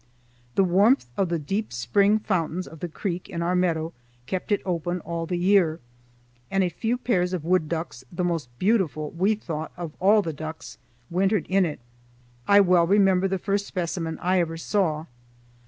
The warmth of the deep spring fountains of the creek in our meadow kept it open all the year, and a few pairs of wood ducks, the most beautiful, we thought, of all the ducks, wintered in it. I well remember the first specimen I ever saw.